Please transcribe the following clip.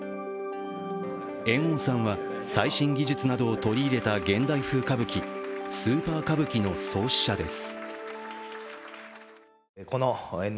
猿翁さんは最新技術などを取り入れた現代風歌舞伎「スーパー歌舞伎」の創始者です。